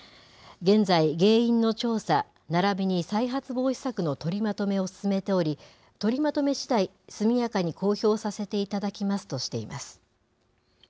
現在、原因の調査、ならびに再発防止策の取りまとめを進めており、取りまとめしだい、速やかに公表させていただきますとしています。